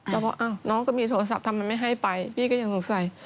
ก็บอกอ้าวน้องก็มีโทรศัพท์ทำไมไม่ให้ไปพี่ก็ยังสงสัย